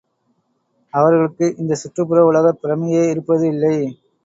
அவர்களுக்கு இந்தச் சுற்றுப்புற உலகப் பிரமையே இருப்பது இல்லை.